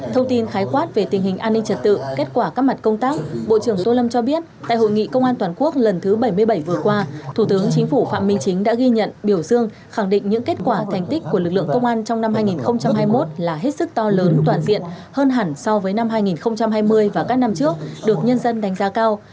thông tin khái quát về tình hình an ninh trật tự kết quả các mặt công tác bộ trưởng tô lâm cho biết tại hội nghị công an toàn quốc lần thứ bảy mươi bảy vừa qua thủ tướng chính phủ phạm minh chính đã ghi nhận biểu dương khẳng định những kết quả thành tích của lực lượng công an trong năm hai nghìn hai mươi một là hết sức to lớn toàn diện hơn hẳn so với năm hai nghìn hai mươi và các năm trước được nhân dân đánh giá cao